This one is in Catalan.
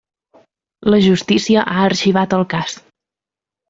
La justícia ha arxivat el cas.